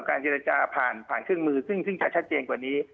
เจรจาผ่านผ่านเครื่องมือซึ่งจะชัดเจนกว่านี้